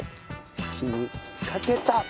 火にかけた。